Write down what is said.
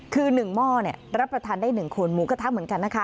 คือหนึ่งหม้อเนี่ยรับประทานได้หนึ่งคนหมูกระทะเหมือนกันนะคะ